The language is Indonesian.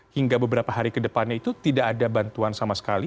hingga beberapa hari ke depannya itu tidak ada bantuan sama sekali